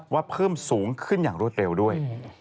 เพิ่มสูงขึ้นอย่างรวดเร็วด้วย